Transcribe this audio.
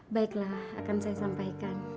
baiklah akan saya sampaikan